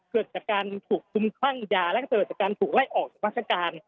เกิดจากการถูกซุมตั้งยาและก็ถูกไล่ออกด้วยพรรษการ